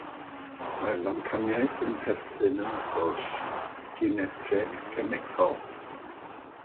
Mae'r ddamcaniaeth yn perthyn yn agos ginetig gemegol.